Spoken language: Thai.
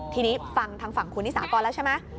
ทีนี้ฟังทางฝั่งคุณนิสากรแล้วใช่ไหม